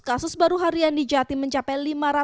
kasus baru harian di jawa timur mencapai lima ratus enam puluh lima